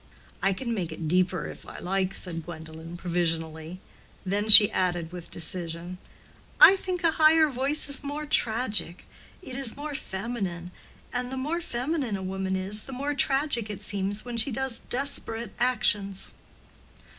"I can make it deeper, if I like," said Gwendolen, provisionally; then she added, with decision, "I think a higher voice is more tragic: it is more feminine; and the more feminine a woman is, the more tragic it seems when she does desperate actions."